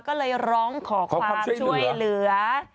ก็เลยร้องขอความช่วยเหลือ